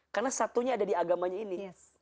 karena satunya ada di agamanya ini